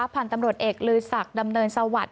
ผ่านตำรวจเอกลือสักดำเนินสวัสดิ์